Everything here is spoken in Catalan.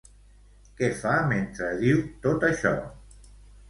Què fa mentre diu tot això?